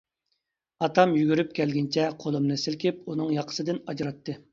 ئاتام يۈگۈرۈپ كەلگىنىچە قولۇمنى سىلكىپ ئۇنىڭ ياقىسىدىن ئاجراتتى.